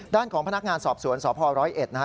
ด้านของพนักงานสอบสวนสภ๑๐๑นะฮะ